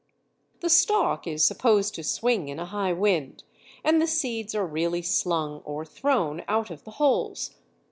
The stalk is supposed to swing in a high wind, and the seeds are really slung or thrown out of the holes.